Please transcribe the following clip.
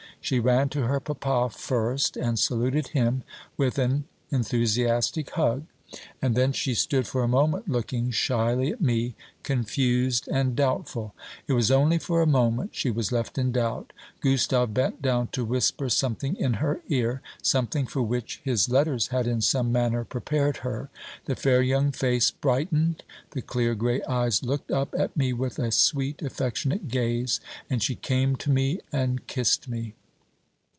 She ran to her papa first, and saluted him with an enthusiastic hug; and then she stood for a moment looking shyly at me, confused and doubtful. It was only for a moment she was left in doubt. Gustave bent down to whisper something in her ear something for which his letters had in some manner prepared her. The fair young face brightened, the clear grey eyes looked up at me with a sweet affectionate gaze, and she came to me and kissed me.